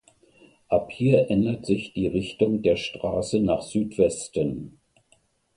Ab hier ändert sich die Richtung der Straße nach Südwesten.